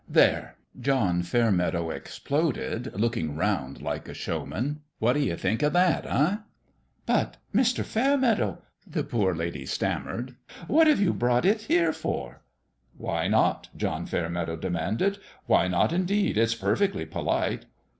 " There 1 " John Fairmeadow exploded, looking round like a showman. " What d'ye think o' that? Eh?" " But, Mr. Fairmeadow," the poor lady stam mered, " what have you brought it here for? "" Why not ?" John Fairmeadow demanded. " Why not, indeed ? It's perfectly polite."